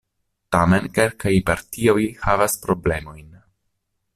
Tamen kelkaj partioj havas problemojn.